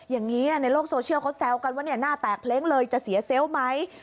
อย่างนี้ในโลกโซเชียลเขาแซวกันว่าหน้าแตกเพลงเลยจะเสียเซลล์ไหม